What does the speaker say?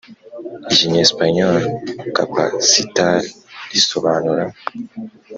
Ikinyesipanyole Capacitar risobanura